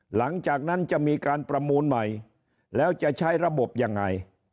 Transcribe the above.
หลังจากนั้นจะมีการประมูลใหม่แล้วจะใช้ระบบยังไง